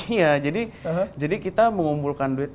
iya jadi kita mengumpulkan duit